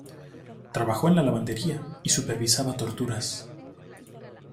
Trabajó en la lavandería y supervisaba torturas.